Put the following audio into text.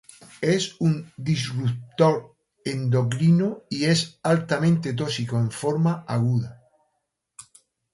Es un disruptor endocrino y es altamente tóxico en forma aguda.